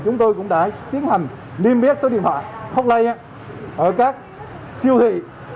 chúng tôi cũng đã tiến hành niêm yết số điện thoại hốc lây ở các siêu thị